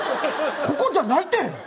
ここじゃないて。